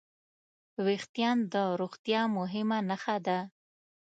وېښتيان د روغتیا مهمه نښه ده.